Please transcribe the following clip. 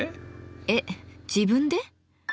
えっ自分で？